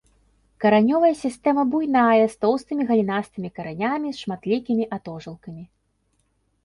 Каранёвая сістэма буйная з тоўстымі галінастымі каранямі з шматлікімі атожылкамі.